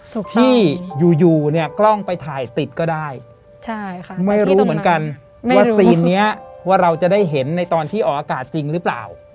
ถูกที่อยู่อยู่เนี่ยกล้องไปถ่ายติดก็ได้ใช่ค่ะไม่รู้เหมือนกันว่าซีนนี้ว่าเราจะได้เห็นในตอนที่ออกอากาศจริงหรือเปล่า